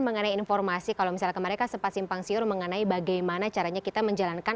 mengenai informasi kalau misalnya kemarin kan sempat simpang siur mengenai bagaimana caranya kita menjalankan